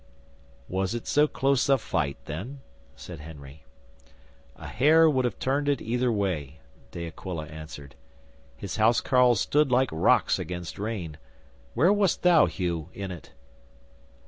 '"Was it so close a fight, then?" said Henry. '"A hair would have turned it either way," De Aquila answered. "His house carles stood like rocks against rain. Where wast thou, Hugh, in it?"